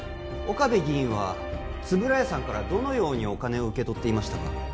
岡部議員は円谷さんからどのようにお金を受け取っていましたか？